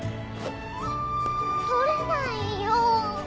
捕れないよ。